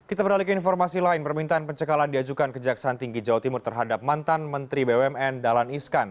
kita beralih ke informasi lain permintaan pencekalan diajukan kejaksaan tinggi jawa timur terhadap mantan menteri bumn dahlan iskan